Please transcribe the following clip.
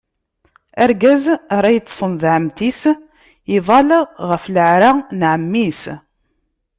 Argaz ara yeṭṭṣen d ɛemmti-s, iḍall ɣef leɛra n ɛemmi-s.